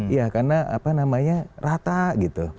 ya karena apa namanya rata gitu